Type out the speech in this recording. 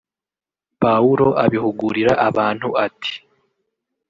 Pawulo abihugurira abantu ati